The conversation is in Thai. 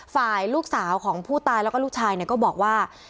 ฝ่ายลูกสาวของผู้ตายแล้วก็ลูกชายก็บอกว่า